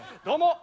どうも。